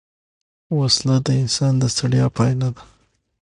وسله د انسان د ستړیا پای نه ده